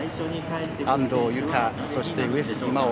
安藤友香そして上杉真穂